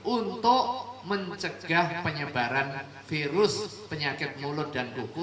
untuk mencegah penyebaran virus penyakit mulut dan kuku